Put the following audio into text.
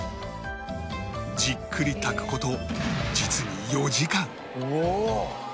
じっくり炊く事実に４時間